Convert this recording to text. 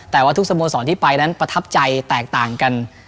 แต่ทุกสมสสดิ์ที่ไปนั้นมาพัทับใจแตกต่างกัน